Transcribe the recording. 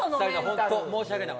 本当申し訳ない。